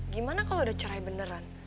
gimana kalau udah cerai beneran